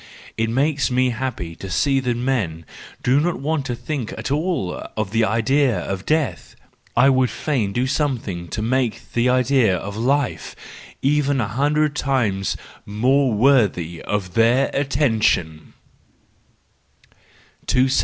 It makes me happy to see that 216 THE JOYFUL WISDOM, IV men do not want to think at all of the idea of death ! I would fain do something to make the idea of life even a hundred times more worthy of their atten¬ tion